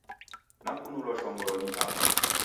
Nakunulwa shongolo ni Apa